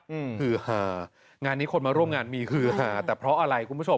อืมคือหางานนี้คนมาร่วมงานมีฮือหาแต่เพราะอะไรคุณผู้ชม